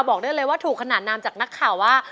บอกได้เลยว่าถูกขนาดนามจากนักข่าวว่า